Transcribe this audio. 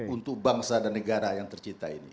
untuk bangsa dan negara yang tercinta ini